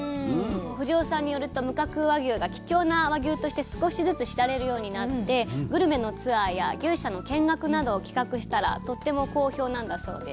藤尾さんによると無角和牛が貴重な和牛として少しずつ知られるようになってグルメのツアーや牛舎の見学などを企画したらとっても好評なんだそうです。